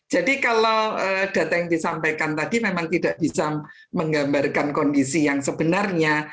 jadi kalau data yang disampaikan tadi memang tidak bisa menggambarkan kondisi yang sebenarnya